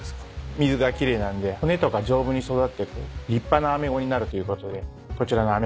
水が奇麗なんで骨とか丈夫に育って立派なアメゴになるということでこちらのアメゴも人気で。